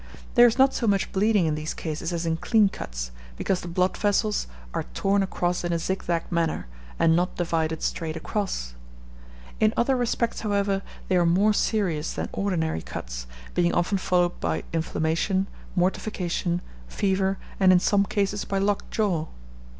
There is not so much bleeding in these cases as in clean cuts, because the blood vessels are torn across in a zigzag manner, and not divided straight across. In other respects, however, they are more serious than ordinary cuts, being often followed by inflammation, mortification, fever, and in some cases by locked jaw.